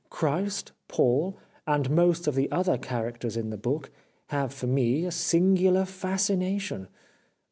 Christ, Paul, and most of the other char acters in the book have for me a singular fas cination.